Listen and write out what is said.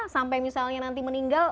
sampai misalnya nanti meninggal